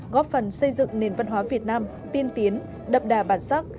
góp phần xây dựng nền văn hóa việt nam tiên tiến đậm đà bản sắc